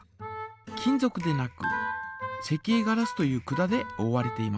金ぞくでなく石英ガラスという管でおおわれています。